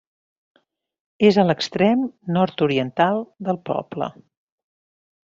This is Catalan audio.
És a l'extrem nord-oriental del poble.